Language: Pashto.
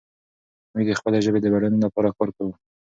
موږ د خپلې ژبې د بډاینې لپاره کار کوو.